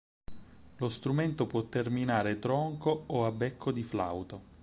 Lo strumento può terminare tronco o a becco di flauto.